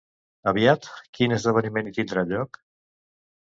Aviat, quin esdeveniment hi tindrà lloc?